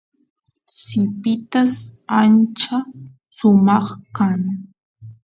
sipitas ancha sumaq kan